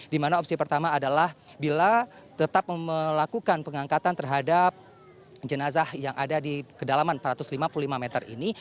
di mana opsi pertama adalah bila tetap melakukan pengangkatan terhadap jenazah yang ada di kedalaman empat ratus lima puluh lima meter ini